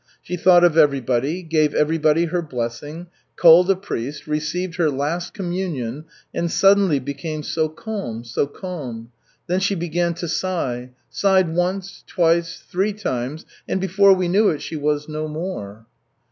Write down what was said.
She thought of everybody, gave everybody her blessing, called a priest, received her last communion, and suddenly became so calm, so calm! Then she began to sigh. Sighed once, twice, three times, and before we knew it, she was no more."